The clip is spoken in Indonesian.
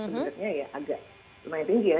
sebenarnya ya agak lumayan tinggi ya